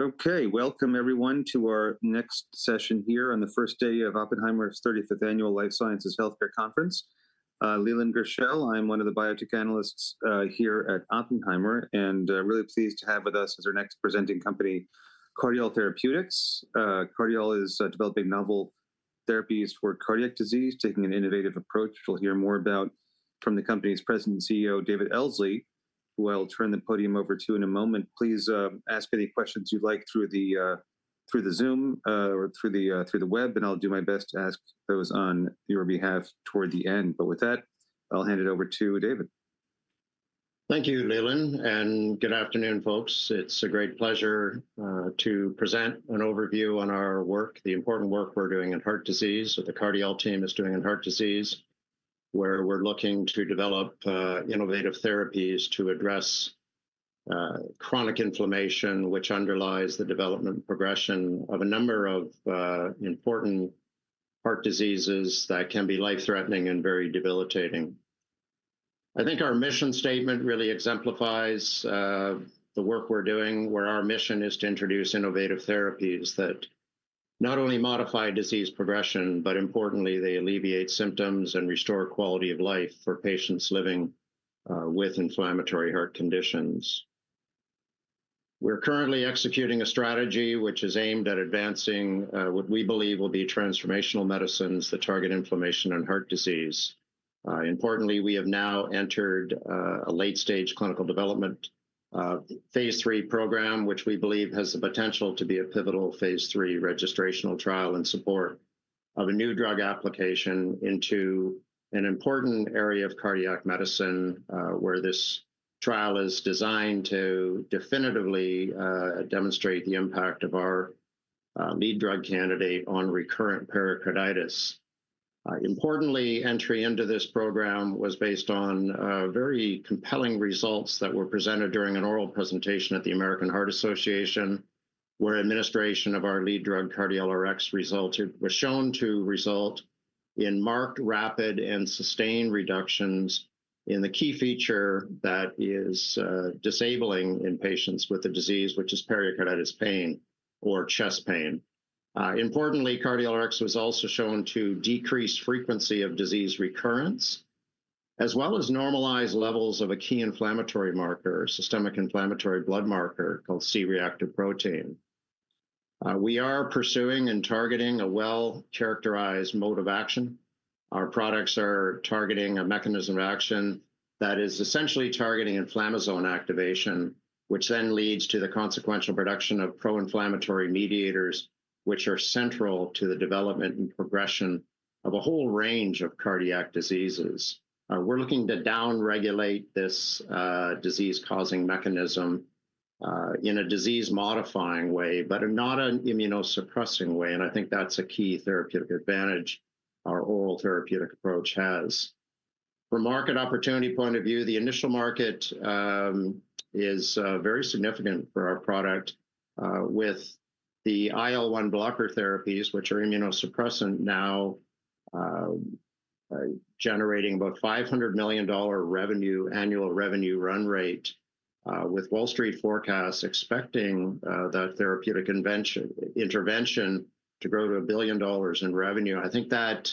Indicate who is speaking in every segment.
Speaker 1: Okay, welcome everyone to our next session here on the first day of Oppenheimer's 35th Annual Life Sciences Healthcare Conference. Leland Gershell, I'm one of the biotech analysts here at Oppenheimer, and I'm really pleased to have with us as our next presenting company, Cardiol Therapeutics. Cardiol is developing novel therapies for cardiac disease, taking an innovative approach we'll hear more about from the company's President and CEO, David Elsley, who I'll turn the podium over to in a moment. Please ask any questions you'd like through the Zoom or through the web, and I'll do my best to ask those on your behalf toward the end. With that, I'll hand it over to David.
Speaker 2: Thank you, Leland, and good afternoon, folks. It's a great pleasure to present an overview on our work, the important work we're doing in heart disease, what the Cardiol team is doing in heart disease, where we're looking to develop innovative therapies to address chronic inflammation, which underlies the development and progression of a number of important heart diseases that can be life-threatening and very debilitating. I think our mission statement really exemplifies the work we're doing, where our mission is to introduce innovative therapies that not only modify disease progression, but importantly, they alleviate symptoms and restore quality of life for patients living with inflammatory heart conditions. We're currently executing a strategy which is aimed at advancing what we believe will be transformational medicines that target inflammation and heart disease. Importantly, we have now entered a late-stage clinical development Phase 3 program, which we believe has the potential to be a pivotal Phase 3 registrational trial in support of a new drug application into an important area of cardiac medicine, where this trial is designed to definitively demonstrate the impact of our lead drug candidate on recurrent pericarditis. Importantly, entry into this program was based on very compelling results that were presented during an oral presentation at the American Heart Association, where administration of our lead drug, CardiolRx, was shown to result in marked rapid and sustained reductions in the key feature that is disabling in patients with the disease, which is pericarditis pain or chest pain. Importantly, CardiolRx was also shown to decrease frequency of disease recurrence, as well as normalize levels of a key inflammatory marker, systemic inflammatory blood marker called C-reactive protein. We are pursuing and targeting a well-characterized mode of action. Our products are targeting a mechanism of action that is essentially targeting inflammasome activation, which then leads to the consequential production of pro-inflammatory mediators, which are central to the development and progression of a whole range of cardiac diseases. We're looking to downregulate this disease-causing mechanism in a disease-modifying way, but not an immunosuppressing way. I think that's a key therapeutic advantage our oral therapeutic approach has. From a market opportunity point of view, the initial market is very significant for our product, with the IL-1 blocker therapies, which are immunosuppressant, now generating about $500 million revenue, annual revenue run rate, with Wall Street forecasts expecting that therapeutic intervention to grow to $1 billion in revenue. I think that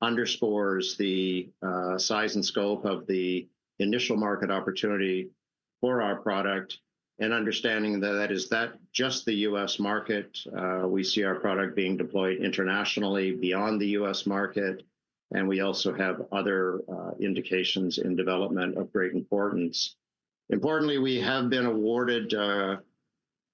Speaker 2: underscores the size and scope of the initial market opportunity for our product, and understanding that that is just the U.S. market. We see our product being deployed internationally beyond the U.S. market, and we also have other indications in development of great importance. Importantly, we have been awarded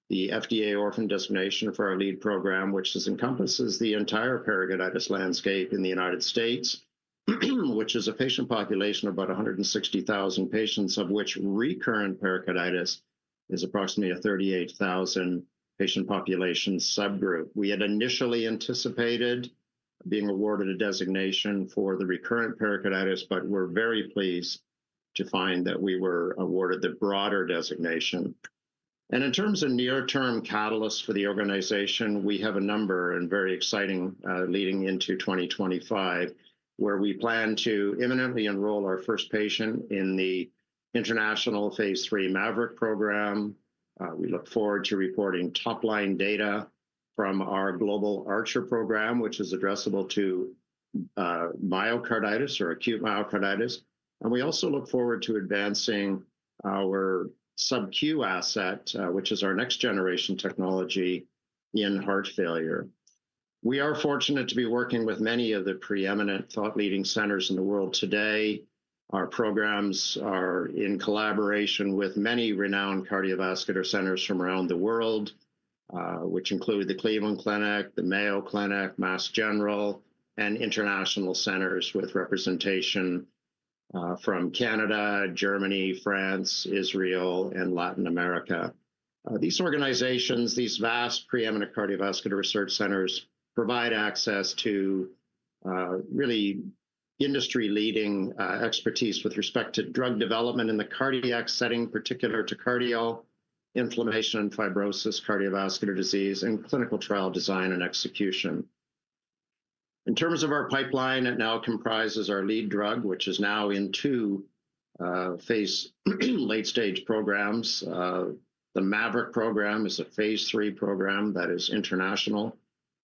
Speaker 2: the FDA Orphan Designation for our lead program, which encompasses the entire pericarditis landscape in the United States, which is a patient population of about 160,000 patients, of which recurrent pericarditis is approximately a 38,000 patient population subgroup. We had initially anticipated being awarded a designation for the recurrent pericarditis, but we're very pleased to find that we were awarded the broader designation. In terms of near-term catalysts for the organization, we have a number and very exciting leading into 2025, where we plan to imminently enroll our first patient in the international Phase 3 Maverick program. We look forward to reporting top-line data from our global Archer program, which is addressable to myocarditis or acute myocarditis. We also look forward to advancing our subQ asset, which is our next-generation technology in heart failure. We are fortunate to be working with many of the preeminent thought-leading centers in the world today. Our programs are in collaboration with many renowned cardiovascular centers from around the world, which include the Cleveland Clinic, the Mayo Clinic, Mass General, and international centers with representation from Canada, Germany, France, Israel, and Latin America. These organizations, these vast preeminent cardiovascular research centers provide access to really industry-leading expertise with respect to drug development in the cardiac setting, particular to cardioinflammation and fibrosis, cardiovascular disease, and clinical trial design and execution. In terms of our pipeline, it now comprises our lead drug, which is now in two phase late-stage programs. The Maverick program is a phase 3 program that is international,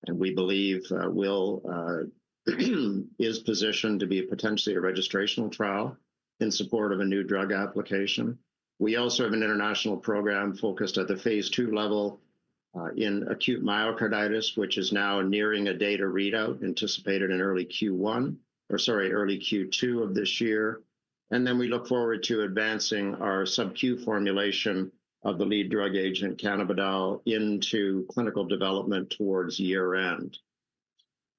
Speaker 2: and we believe is positioned to be potentially a registrational trial in support of a new drug application. We also have an international program focused at the Phase 2 level in acute myocarditis, which is now nearing a data readout anticipated in early Q1 or, sorry, early Q2 of this year. We look forward to advancing our subQ formulation of the lead drug agent cannabidiol into clinical development towards year-end.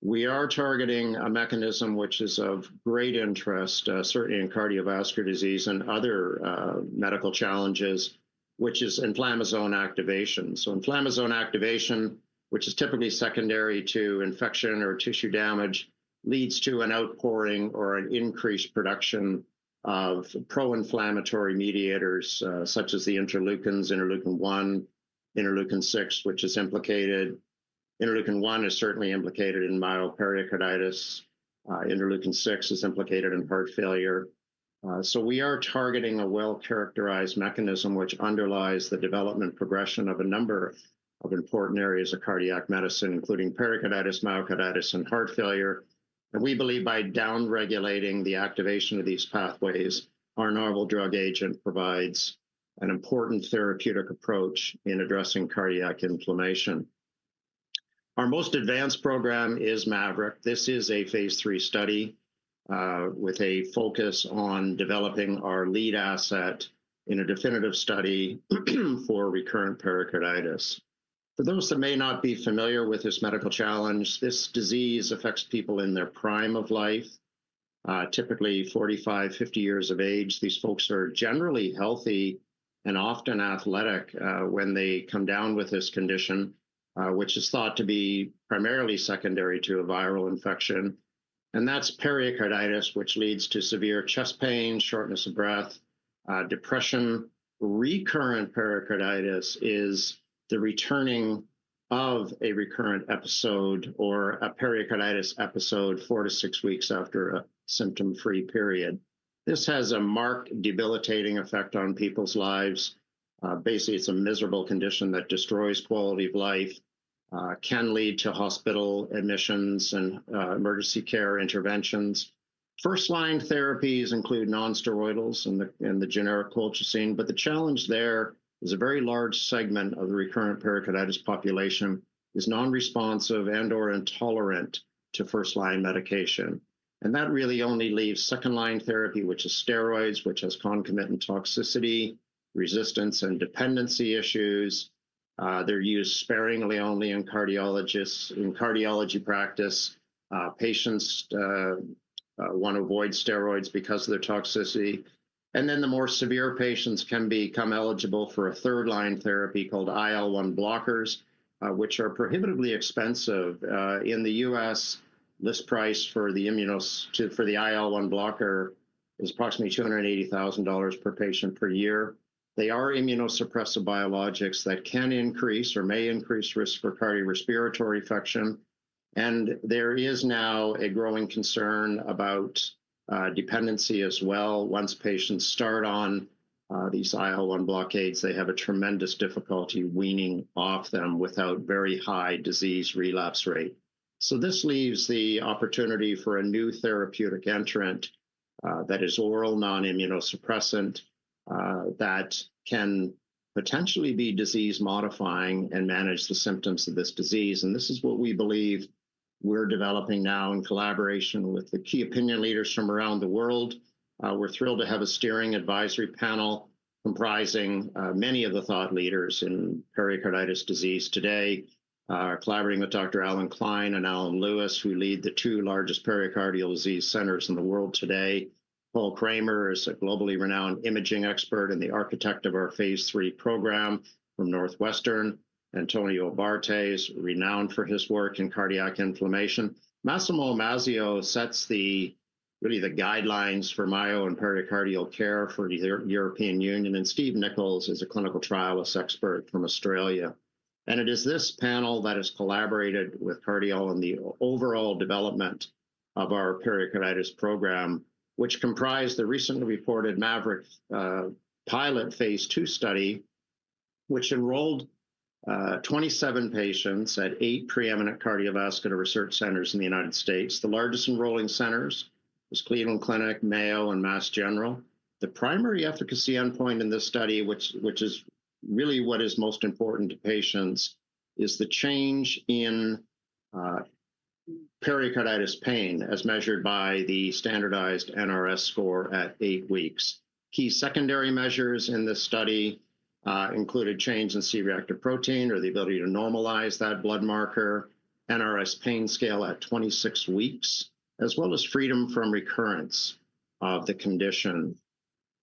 Speaker 2: We are targeting a mechanism which is of great interest, certainly in cardiovascular disease and other medical challenges, which is inflammasome activation. Inflammasome activation, which is typically secondary to infection or tissue damage, leads to an outpouring or an increased production of pro-inflammatory mediators such as the interleukins, interleukin 1, interleukin 6, which is implicated. Interleukin 1 is certainly implicated in mild pericarditis. Interleukin 6 is implicated in heart failure. We are targeting a well-characterized mechanism which underlies the development and progression of a number of important areas of cardiac medicine, including pericarditis, myocarditis, and heart failure. We believe by downregulating the activation of these pathways, our novel drug agent provides an important therapeutic approach in addressing cardiac inflammation. Our most advanced program is Maverick. This is a Phase 3 study with a focus on developing our lead asset in a definitive study for recurrent pericarditis. For those that may not be familiar with this medical challenge, this disease affects people in their prime of life, typically 45, 50 years of age. These folks are generally healthy and often athletic when they come down with this condition, which is thought to be primarily secondary to a viral infection. That is pericarditis, which leads to severe chest pain, shortness of breath, depression. Recurrent pericarditis is the returning of a recurrent episode or a pericarditis episode four to six weeks after a symptom-free period. This has a marked debilitating effect on people's lives. Basically, it's a miserable condition that destroys quality of life, can lead to hospital admissions and emergency care interventions. First-line therapies include nonsteroidals and the generic colchicine, but the challenge there is a very large segment of the recurrent pericarditis population is nonresponsive and/or intolerant to first-line medication. That really only leaves second-line therapy, which is steroids, which has concomitant toxicity, resistance, and dependency issues. They're used sparingly only in cardiologists' cardiology practice. Patients want to avoid steroids because of their toxicity. The more severe patients can become eligible for a third-line therapy called IL-1 blockers, which are prohibitively expensive. In the US, list price for the IL-1 blocker is approximately $280,000 per patient per year. They are immunosuppressive biologics that can increase or may increase risk for cardiorespiratory infection. There is now a growing concern about dependency as well. Once patients start on these IL-1 blockades, they have a tremendous difficulty weaning off them without very high disease relapse rate. This leaves the opportunity for a new therapeutic entrant that is oral non-immunosuppressant that can potentially be disease-modifying and manage the symptoms of this disease. This is what we believe we're developing now in collaboration with the key opinion leaders from around the world. We're thrilled to have a steering advisory panel comprising many of the thought leaders in pericarditis disease today, collaborating with Dr. Allan Klein and Alan Lewis, who lead the two largest pericardial disease centers in the world today. Paul Cremer is a globally renowned imaging expert and the architect of our Phase 3 program from Northwestern. Antonio Abbate is renowned for his work in cardiac inflammation. Massimo Imazio sets really the guidelines for myo and pericardial care for the European Union, and Steve Nicholis is a clinical trial expert from Australia. It is this panel that has collaborated with Cardiol Therapeutics on the overall development of our pericarditis program, which comprised the recently reported Maverick pilot Phase 2 study, which enrolled 27 patients at eight preeminent cardiovascular research centers in the United States. The largest enrolling centers were Cleveland Clinic, Mayo, and Mass General. The primary efficacy endpoint in this study, which is really what is most important to patients, is the change in pericarditis pain as measured by the standardized NRS score at eight weeks. Key secondary measures in this study included change in C-reactive protein or the ability to normalize that blood marker, NRS pain scale at 26 weeks, as well as freedom from recurrence of the condition.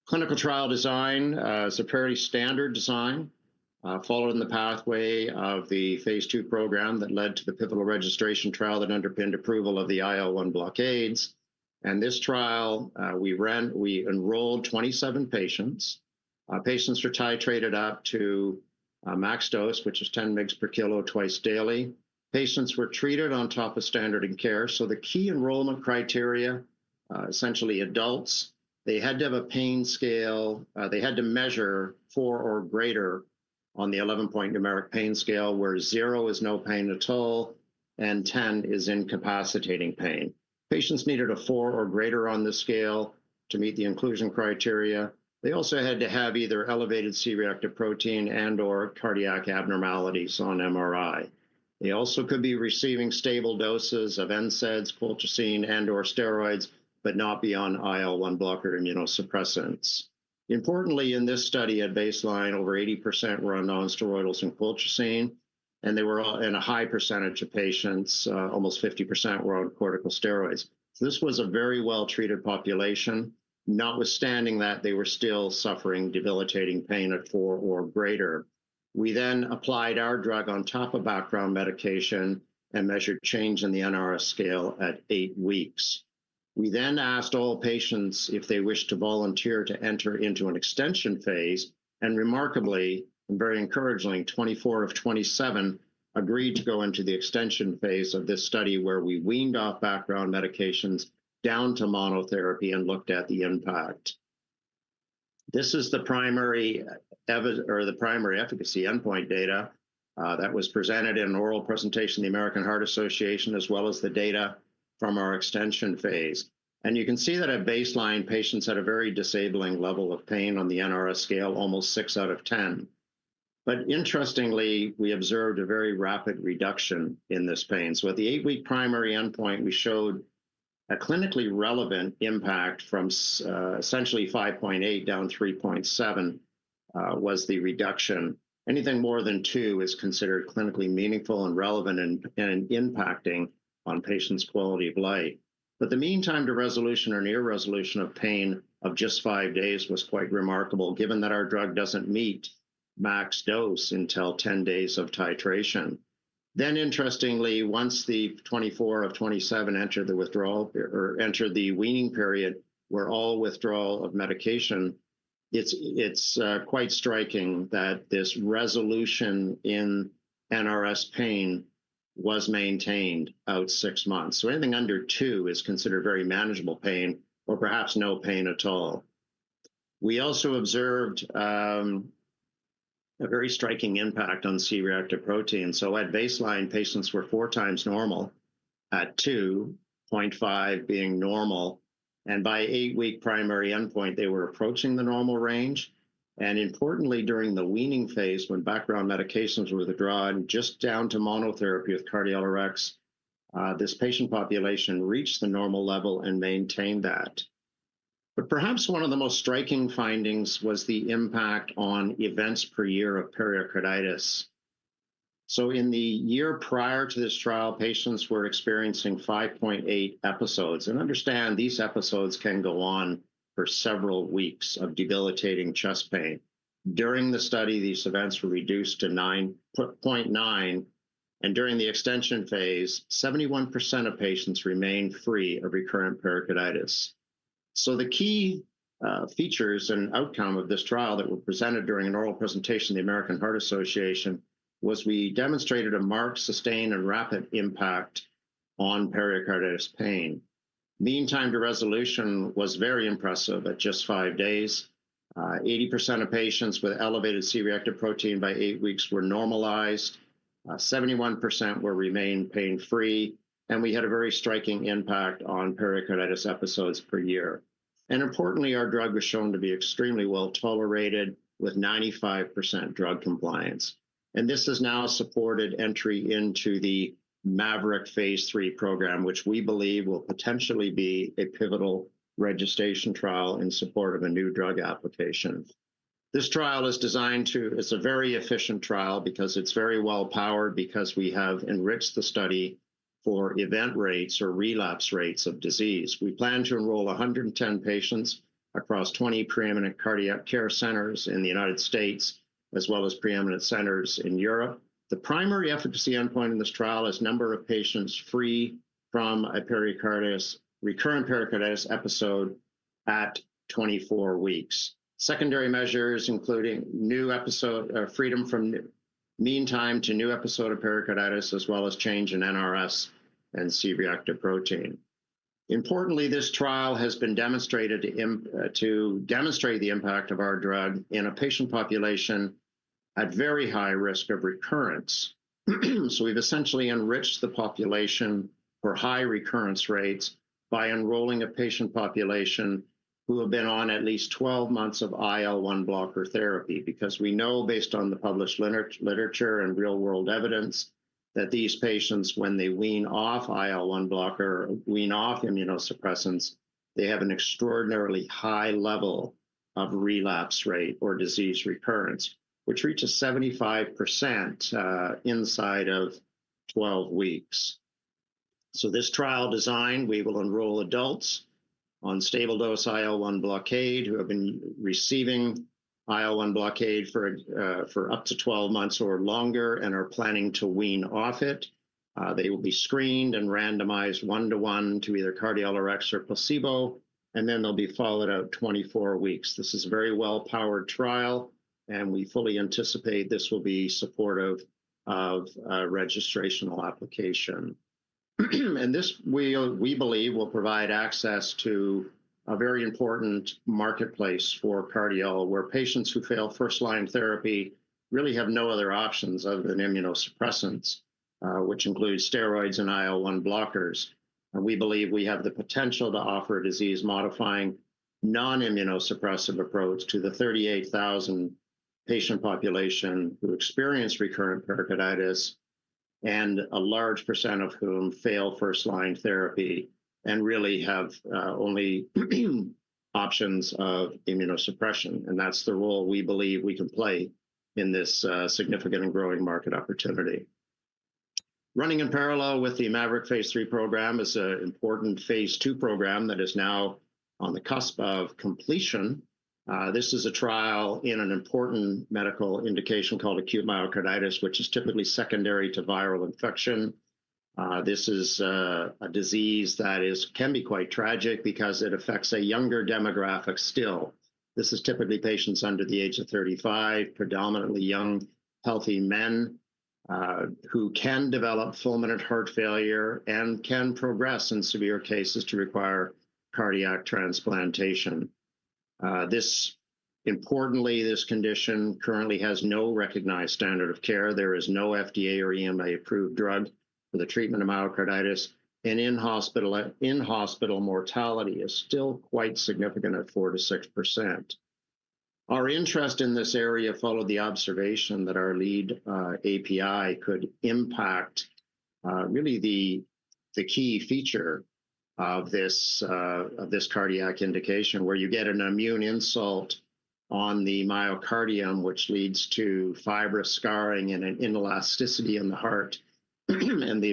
Speaker 2: Clinical trial design is a pretty standard design, followed in the pathway of the Phase 2 program that led to the pivotal registration trial that underpinned approval of the IL-1 blockades. In this trial, we enrolled 27 patients. Patients were titrated up to max dose, which is 10 mg per kilo twice daily. Patients were treated on top of standard of care. The key enrollment criteria, essentially adults, they had to have a pain scale. They had to measure four or greater on the 11-point numeric pain scale, where zero is no pain at all and 10 is incapacitating pain. Patients needed a four or greater on the scale to meet the inclusion criteria. They also had to have either elevated C-reactive protein and/or cardiac abnormalities on MRI. They also could be receiving stable doses of NSAIDs, colchicine, and/or steroids, but not be on IL-1 blocker immunosuppressants. Importantly, in this study, at baseline, over 80% were on nonsteroidals and colchicine, and they were in a high percentage of patients, almost 50% were on corticosteroids. This was a very well-treated population, notwithstanding that they were still suffering debilitating pain at four or greater. We then applied our drug on top of background medication and measured change in the NRS scale at eight weeks. We then asked all patients if they wished to volunteer to enter into an extension phase. Remarkably, and very encouragingly, 24 of 27 agreed to go into the extension phase of this study, where we weaned off background medications down to monotherapy and looked at the impact. This is the primary efficacy endpoint data that was presented in an oral presentation in the American Heart Association, as well as the data from our extension phase. You can see that at baseline, patients had a very disabling level of pain on the NRS scale, almost 6 out of 10. Interestingly, we observed a very rapid reduction in this pain. At the eight-week primary endpoint, we showed a clinically relevant impact from essentially 5.8 down 3.7 was the reduction. Anything more than 2 is considered clinically meaningful and relevant and impacting on patients' quality of life. The meantime to resolution or near resolution of pain of just five days was quite remarkable, given that our drug does not meet max dose until 10 days of titration. Interestingly, once the 24 of 27 entered the withdrawal or entered the weaning period, we are all withdrawal of medication. It's quite striking that this resolution in NRS pain was maintained out six months. Anything under two is considered very manageable pain or perhaps no pain at all. We also observed a very striking impact on C-reactive protein. At baseline, patients were four times normal at 2.5 being normal. By eight-week primary endpoint, they were approaching the normal range. Importantly, during the weaning phase, when background medications were withdrawn just down to monotherapy with Cardiol Therapeutics, this patient population reached the normal level and maintained that. Perhaps one of the most striking findings was the impact on events per year of pericarditis. In the year prior to this trial, patients were experiencing 5.8 episodes. Understand these episodes can go on for several weeks of debilitating chest pain. During the study, these events were reduced to 0.9. During the extension phase, 71% of patients remained free of recurrent pericarditis. The key features and outcome of this trial that were presented during an oral presentation in the American Heart Association was we demonstrated a marked, sustained, and rapid impact on pericarditis pain. Mean time to resolution was very impressive at just five days. 80% of patients with elevated C-reactive protein by eight weeks were normalized. 71% remained pain-free. We had a very striking impact on pericarditis episodes per year. Importantly, our drug was shown to be extremely well tolerated with 95% drug compliance. This has now supported entry into the Maverick Phase 3 program, which we believe will potentially be a pivotal registration trial in support of a new drug application. This trial is designed to, it's a very efficient trial because it's very well powered because we have enriched the study for event rates or relapse rates of disease. We plan to enroll 110 patients across 20 preeminent cardiac care centers in the United States, as well as preeminent centers in Europe. The primary efficacy endpoint in this trial is number of patients free from a recurrent pericarditis episode at 24 weeks. Secondary measures including new episode freedom from meantime to new episode of pericarditis, as well as change in NRS and C-reactive protein. Importantly, this trial has been demonstrated to demonstrate the impact of our drug in a patient population at very high risk of recurrence. We've essentially enriched the population for high recurrence rates by enrolling a patient population who have been on at least 12 months of IL-1 blocker therapy because we know based on the published literature and real-world evidence that these patients, when they wean off IL-1 blocker, wean off immunosuppressants, they have an extraordinarily high level of relapse rate or disease recurrence, which reaches 75% inside of 12 weeks. This trial design, we will enroll adults on stable dose IL-1 blockade who have been receiving IL-1 blockade for up to 12 months or longer and are planning to wean off it. They will be screened and randomized one-to-one to either Cardiol Therapeutics or placebo, and then they'll be followed out 24 weeks. This is a very well-powered trial, and we fully anticipate this will be supportive of registrational application. This we believe will provide access to a very important marketplace for Cardiol, where patients who fail first-line therapy really have no other options other than immunosuppressants, which include steroids and IL-1 blockers. We believe we have the potential to offer a disease-modifying non-immunosuppressive approach to the 38,000 patient population who experience recurrent pericarditis and a large percent of whom fail first-line therapy and really have only options of immunosuppression. That is the role we believe we can play in this significant and growing market opportunity. Running in parallel with the Maverick Phase 3 program is an important Phase 2 program that is now on the cusp of completion. This is a trial in an important medical indication called acute myocarditis, which is typically secondary to viral infection. This is a disease that can be quite tragic because it affects a younger demographic still. This is typically patients under the age of 35, predominantly young healthy men who can develop fulminant heart failure and can progress in severe cases to require cardiac transplantation. Importantly, this condition currently has no recognized standard of care. There is no FDA or EMA-approved drug for the treatment of myocarditis. In-hospital mortality is still quite significant at 4-6%. Our interest in this area followed the observation that our lead API could impact really the key feature of this cardiac indication, where you get an immune insult on the myocardium, which leads to fibrous scarring and an inelasticity in the heart and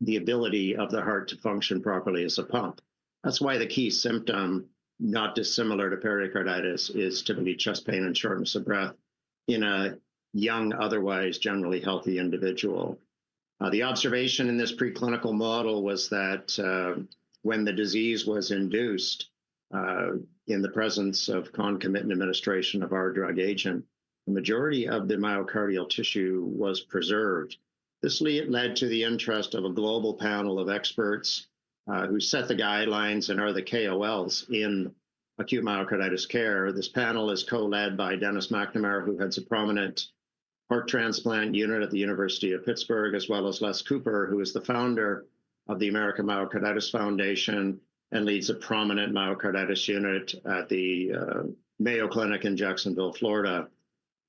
Speaker 2: the ability of the heart to function properly as a pump. That's why the key symptom, not dissimilar to pericarditis, is typically chest pain and shortness of breath in a young, otherwise generally healthy individual. The observation in this preclinical model was that when the disease was induced in the presence of concomitant administration of our drug agent, the majority of the myocardial tissue was preserved. This led to the interest of a global panel of experts who set the guidelines and are the KOLs in acute myocarditis care. This panel is co-led by Dennis McNamara, who heads a prominent heart transplant unit at the University of Pittsburgh, as well as Les Cooper, who is the founder of the American Myocarditis Foundation and leads a prominent myocarditis unit at the Mayo Clinic in Jacksonville, Florida.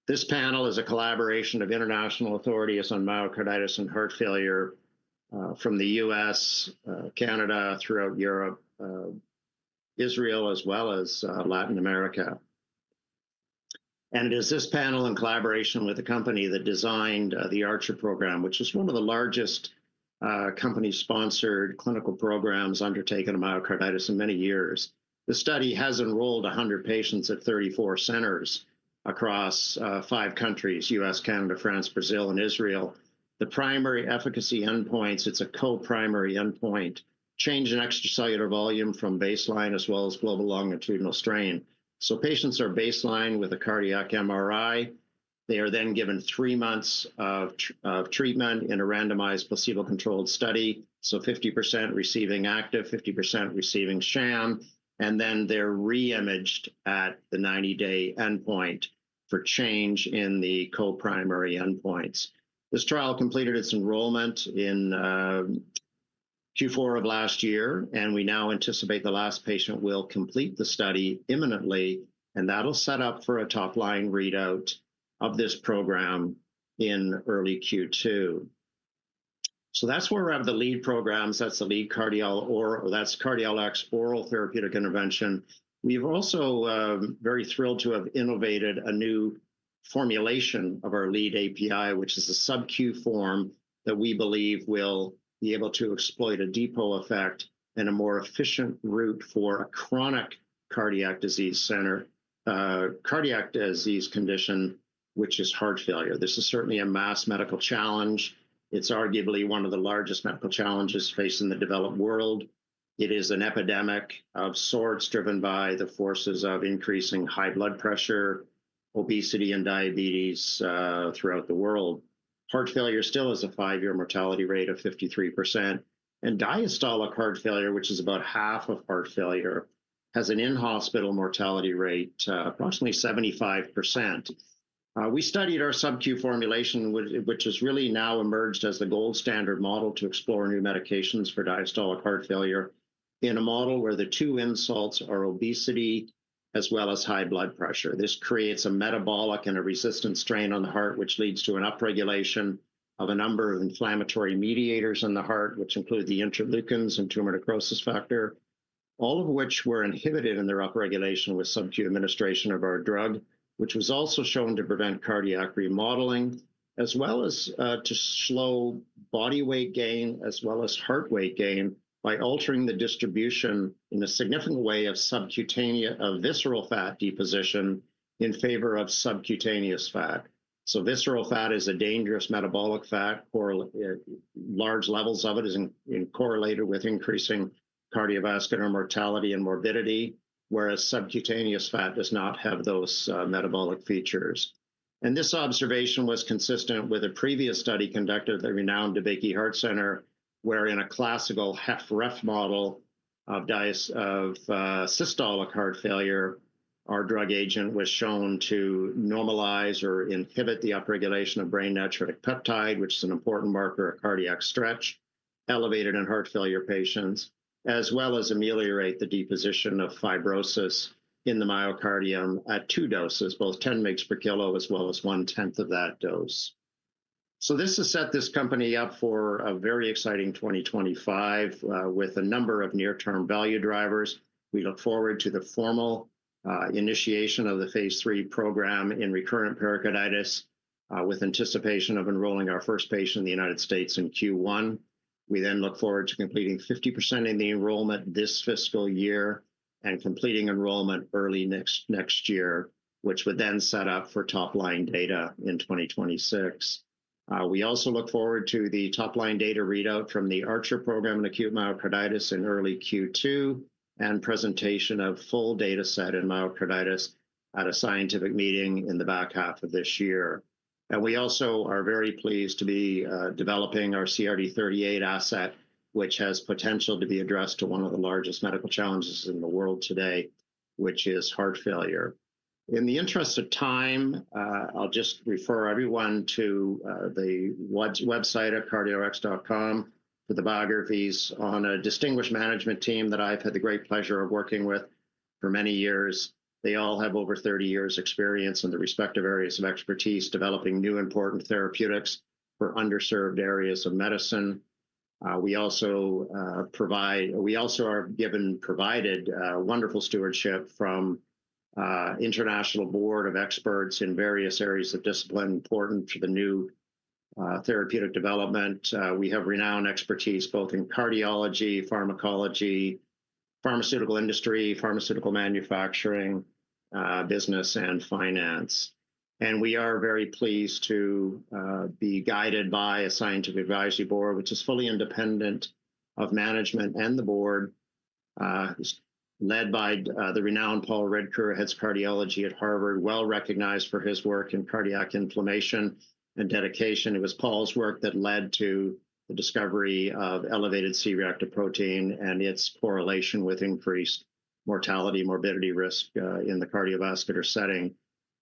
Speaker 2: This panel is a collaboration of international authorities on myocarditis and heart failure from the U.S., Canada, throughout Europe, Israel, as well as Latin America. It is this panel in collaboration with the company that designed the Archer program, which is one of the largest company-sponsored clinical programs undertaken on myocarditis in many years. The study has enrolled 100 patients at 34 centers across five countries: U.S., Canada, France, Brazil, and Israel. The primary efficacy endpoints, it's a co-primary endpoint, change in extracellular volume from baseline as well as global longitudinal strain. Patients are baseline with a cardiac MRI. They are then given three months of treatment in a randomized placebo-controlled study. Fifty percent receiving active, 50% receiving sham, and they are reimaged at the 90-day endpoint for change in the co-primary endpoints. This trial completed its enrollment in Q4 of last year, and we now anticipate the last patient will complete the study imminently, and that will set up for a top-line readout of this program in early Q2. That's where we have the lead programs. That's the lead Cardiol Therapeutics intervention. We've also been very thrilled to have innovated a new formulation of our lead API, which is a sub-Q form that we believe will be able to exploit a depot effect and a more efficient route for a chronic cardiac disease condition, which is heart failure. This is certainly a mass medical challenge. It's arguably one of the largest medical challenges facing the developed world. It is an epidemic of sorts driven by the forces of increasing high blood pressure, obesity, and diabetes throughout the world. Heart failure still has a five-year mortality rate of 53%. Diastolic heart failure, which is about half of heart failure, has an in-hospital mortality rate of approximately 75%. We studied our sub-Q formulation, which has really now emerged as the gold standard model to explore new medications for diastolic heart failure in a model where the two insults are obesity as well as high blood pressure. This creates a metabolic and a resistance strain on the heart, which leads to an upregulation of a number of inflammatory mediators in the heart, which include the interleukins and tumor necrosis factor, all of which were inhibited in their upregulation with sub-Q administration of our drug, which was also shown to prevent cardiac remodeling as well as to slow body weight gain as well as heart weight gain by altering the distribution in a significant way of visceral fat deposition in favor of subcutaneous fat. Visceral fat is a dangerous metabolic fat. Large levels of it are correlated with increasing cardiovascular mortality and morbidity, whereas subcutaneous fat does not have those metabolic features. This observation was consistent with a previous study conducted at the renowned DeBakey Heart Center, where in a classical HFrEF model of systolic heart failure, our drug agent was shown to normalize or inhibit the upregulation of brain natriuretic peptide, which is an important marker of cardiac stretch elevated in heart failure patients, as well as ameliorate the deposition of fibrosis in the myocardium at two doses, both 10 mg per kilo as well as one-tenth of that dose. This has set this company up for a very exciting 2025 with a number of near-term value drivers. We look forward to the formal initiation of the Phase 3 program in recurrent pericarditis with anticipation of enrolling our first patient in the United States in Q1. We then look forward to completing 50% of the enrollment this fiscal year and completing enrollment early next year, which would then set up for top-line data in 2026. We also look forward to the top-line data readout from the Archer program in acute myocarditis in early Q2 and presentation of full data set in myocarditis at a scientific meeting in the back half of this year. We also are very pleased to be developing our CRD-38 asset, which has potential to be addressed to one of the largest medical challenges in the world today, which is heart failure. In the interest of time, I'll just refer everyone to the website at cardiolrx.com for the biographies on a distinguished management team that I've had the great pleasure of working with for many years. They all have over 30 years' experience in the respective areas of expertise developing new important therapeutics for underserved areas of medicine. We also are given, provided wonderful stewardship from the International Board of Experts in various areas of discipline important for the new therapeutic development. We have renowned expertise both in cardiology, pharmacology, pharmaceutical industry, pharmaceutical manufacturing business, and finance. We are very pleased to be guided by a scientific advisory board, which is fully independent of management and the board, led by the renowned Paul Ridker, Head of Cardiology at Harvard, well recognized for his work in cardiac inflammation and dedication. It was Paul's work that led to the discovery of elevated C-reactive protein and its correlation with increased mortality and morbidity risk in the cardiovascular setting.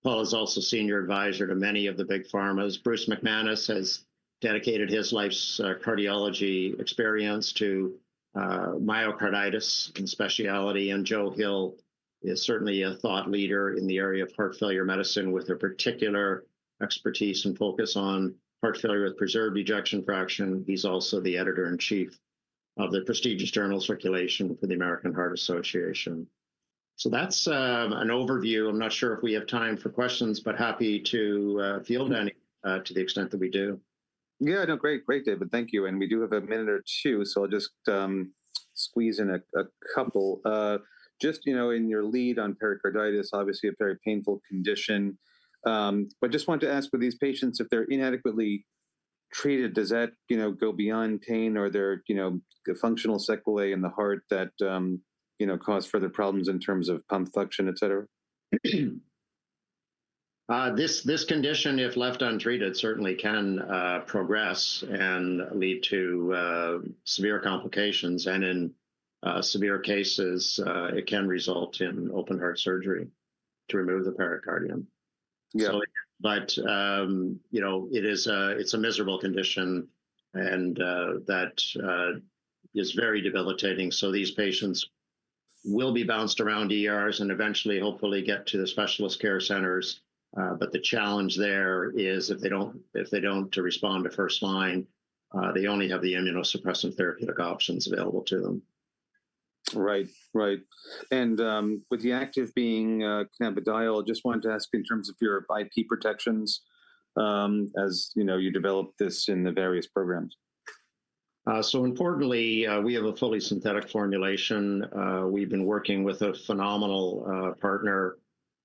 Speaker 2: Paul is also senior advisor to many of the big pharmas. Bruce McManus has dedicated his life's cardiology experience to myocarditis and specialty, and Joe Hill is certainly a thought leader in the area of heart failure medicine with a particular expertise and focus on heart failure with preserved ejection fraction. He's also the editor in chief of the prestigious journal Circulation for the American Heart Association. That is an overview. I'm not sure if we have time for questions, but happy to field any to the extent that we do.
Speaker 1: Yeah, no, great, great, David, thank you. We do have a minute or two, so I'll just squeeze in a couple. Just in your lead on pericarditis, obviously a very painful condition, but I just wanted to ask for these patients, if they're inadequately treated, does that go beyond pain or the functional sequelae in the heart that cause further problems in terms of pump function, et cetera? This condition, if left untreated, certainly can progress and lead to severe complications. In severe cases, it can result in open heart surgery to remove the pericardium. It is a miserable condition, and that is very debilitating. These patients will be bounced around ERs and eventually, hopefully, get to the specialist care centers. The challenge there is if they do not respond to first-line, they only have the immunosuppressant therapeutic options available to them.
Speaker 3: Right, right. With the active being CardiolRx, I just wanted to ask in terms of your IP protections as you develop this in the various programs.
Speaker 2: Importantly, we have a fully synthetic formulation. We have been working with a phenomenal partner.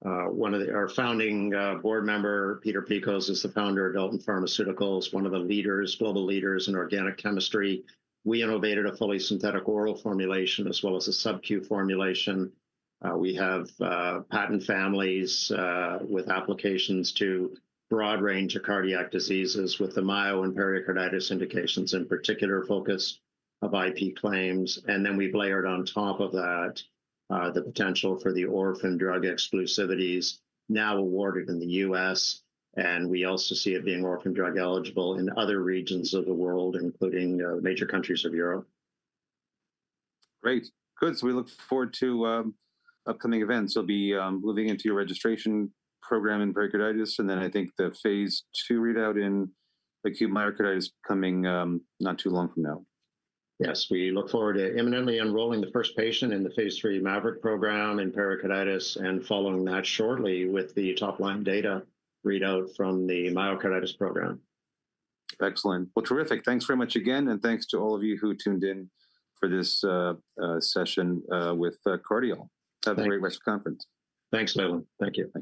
Speaker 2: One of our founding board members, Peter Pekos, is the founder of Dalton Pharma Services, one of the global leaders in organic chemistry. We innovated a fully synthetic oral formulation as well as a sub-Q formulation. We have patent families with applications to a broad range of cardiac diseases with the myo and pericarditis indications in particular focus of IP claims. Then we have layered on top of that the potential for the orphan drug exclusivities now awarded in the US. We also see it being orphan drug eligible in other regions of the world, including major countries of Europe.
Speaker 1: Great. Good. We look forward to upcoming events. It will be moving into your registration program in pericarditis. I think the Phase 2 readout in acute myocarditis is coming not too long from now.
Speaker 2: Yes, we look forward to imminently enrolling the first patient in the Phase 3 Maverick program in pericarditis and following that shortly with the top-line data readout from the myocarditis program.
Speaker 1: Excellent. Thanks very much again. Thanks to all of you who tuned in for this session with Cardiol. Have a great rest of the conference.
Speaker 2: Thanks, Leland. Thank you.